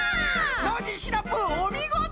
ノージーシナプーおみごと！